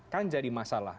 kan jadi masalah